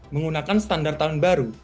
menggunakan standar tahun baru